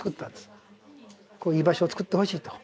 こういう居場所をつくってほしいと。